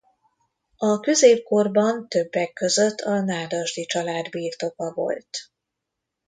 A középkorban többek között a Nádasdy család birtoka volt.